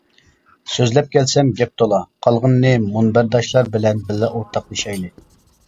سۆزلەپ كەلسەم گەپ تولا قالغىنىنى مۇنبەرداشلار بىلەن بىللە ئورتاقلىشايلى.